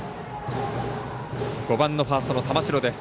５番のファーストの玉城です。